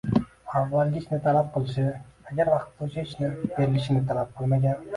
avvalgi ishini talab qilishi, agar vaqtida o‘sha ishini berilishini talab qilmagan